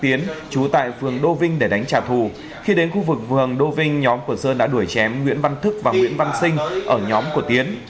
trịnh công sơn trú tại phường đô vinh để đánh trả thù khi đến khu vực vườn đô vinh nhóm của sơn đã đuổi chém nguyễn văn thức và nguyễn văn sinh ở nhóm của tiến